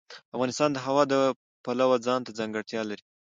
افغانستان د هوا د پلوه ځانته ځانګړتیا لري.